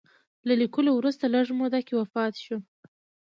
له لیکلو وروسته لږ موده کې وفات شو.